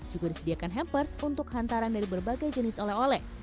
juga disediakan hampers untuk hantaran dari berbagai jenis oleh oleh